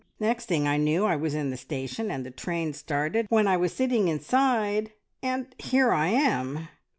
Next thing I knew I was in the station, and the train started when I was sitting inside, and here I am!"